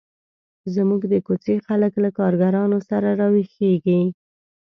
زموږ د کوڅې خلک له کارګرانو سره را ویښیږي.